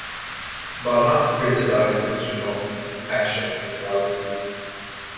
About half a crater diameter to the northeast of Paschen is Wan-Hoo.